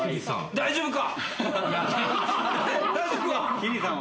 大丈夫か！